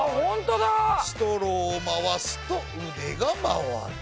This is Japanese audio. ストローを回すと腕が回る。